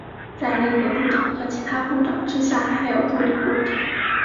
在内阁部长和其他部长之下还有助理部长。